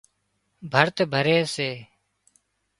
ڀرت ڀري سي